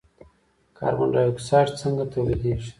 کاربن ډای اکساید څنګه تولیدیږي.